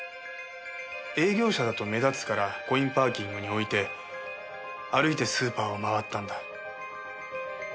営業車だと目立つからコインパーキングに置いて歩いてスーパーを回ったんだ。